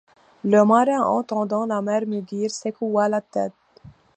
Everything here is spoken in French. Le marin, entendant la mer mugir, secoua la tête!